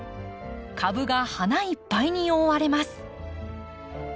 株が花いっぱいに覆われます。